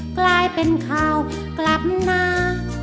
กลายเป็นข่าวกลับมา